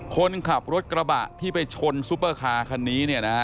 คนขับรถกระบะที่ไปชนซุปเปอร์คาร์คันนี้